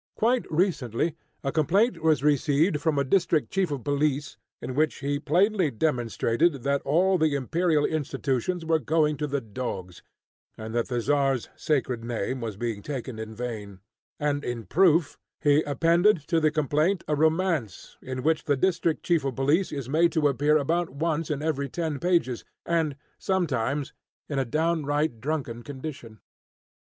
Quite recently, a complaint was received from a district chief of police in which he plainly demonstrated that all the imperial institutions were going to the dogs, and that the Czar's sacred name was being taken in vain; and in proof he appended to the complaint a romance, in which the district chief of police is made to appear about once in every ten pages, and sometimes in a downright drunken condition.